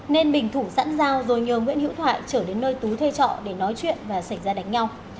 nên bình thủ sẵn dao rồi nhờ nguyễn hiễu thoại trở đến nơi tú thuê trọ để nói chuyện và xảy ra đánh nhau